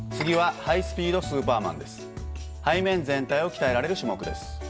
背面全体を鍛えられる種目です。